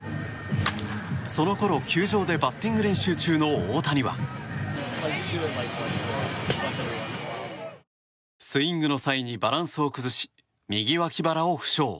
そのころ、球場でバッティング練習中の大谷はスイングの際にバランスを崩し右脇腹を負傷。